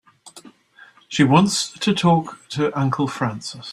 She wants to talk to Uncle Francis.